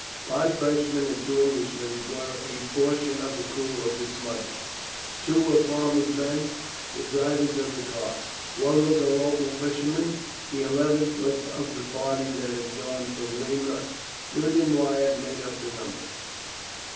Five Frenchmen and two Englishmen were a portion of the crew of the smuggler; two were farmers' men, the drivers of the carts; one was a local fisherman; the eleventh was one of the party that had gone from Weymouth; Julian Wyatt made up the number.